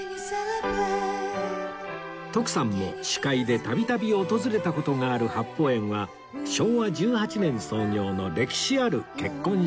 徳さんも司会で度々訪れた事がある八芳園は昭和１８年創業の歴史ある結婚式場